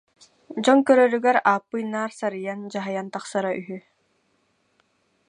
Дьон көрөрүгэр Ааппыйы наар сарыйан, дьаһайан тахсара үһү